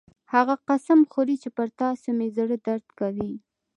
هغه قسم خوري چې پر تاسو مې زړه درد کوي